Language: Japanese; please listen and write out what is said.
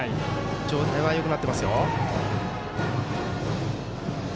状態はよくなってますよ。